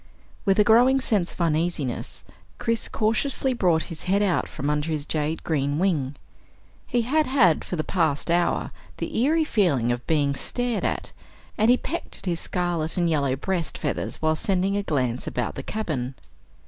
With a growing sense of uneasiness, Chris cautiously brought his head out from under his jade green wing. He had had for the past hour the eerie feeling of being stared at, and he pecked at his scarlet and yellow breast feathers while sending a glance about the cabin.